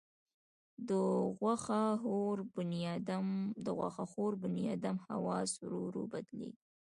د غوښه خور بنیادم حواس ورو ورو بدلېږي.